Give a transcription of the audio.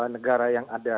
negara yang ada